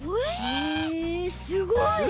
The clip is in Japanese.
へえすごい！